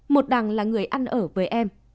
một đằng là người ăn ở với em